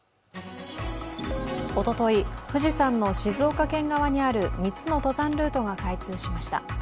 おととい、富士山の静岡県側にある３つの登山ルートが開通しました。